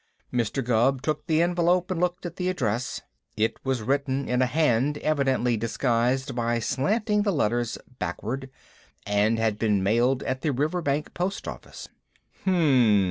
Mr. Gubb took the envelope and looked at the address. It was written in a hand evidently disguised by slanting the letters backward, and had been mailed at the Riverbank post office. "Hum!"